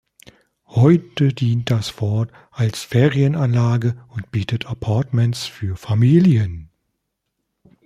Heute dient das Fort als Ferienanlage und bietet Appartements für Familien.